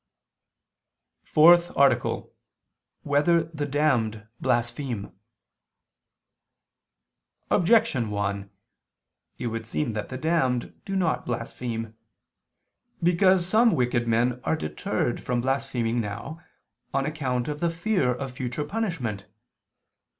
_______________________ FOURTH ARTICLE [II II, Q. 13, Art. 4] Whether the Damned Blaspheme? Objection 1: It would seem that the damned do not blaspheme. Because some wicked men are deterred from blaspheming now, on account of the fear of future punishment.